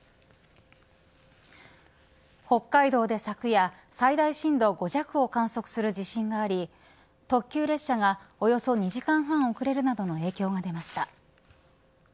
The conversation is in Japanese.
北海道で昨夜最大震度５弱を観測する地震があり特急列車がおよそ２時間半遅れるなどの影響が出ました。